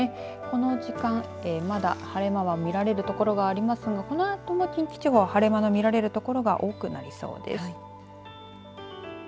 この時間、まだ晴れ間は見られる所がありますがこのあとも近畿地方晴れ間の見られる所が多くなりそうです。